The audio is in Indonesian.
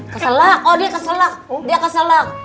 keselak oh dia keselak dia keselak